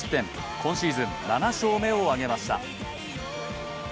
今シーズン７勝目を挙げました。